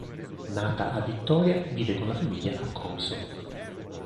Nata a Vittoria, vive con la famiglia a Comiso.